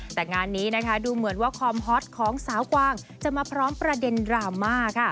แต่งานนี้นะคะดูเหมือนว่าความฮอตของสาวกวางจะมาพร้อมประเด็นดราม่าค่ะ